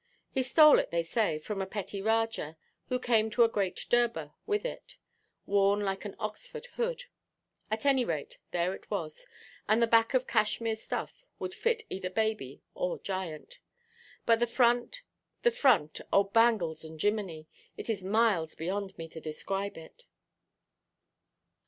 He stole it, they say, from a petty rajah, who came to a great durbar with it, worn like an Oxford hood. At any rate, there it was, and the back of Cashmere stuff would fit either baby or giant. But the front, the front—oh, bangles and jiminy! it is miles beyond me to describe it.